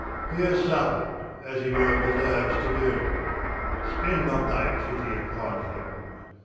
He has suffered, as he well deserves to do. Spend not thy pity upon him.